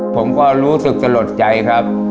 ผมก็รู้สึกสลดใจครับ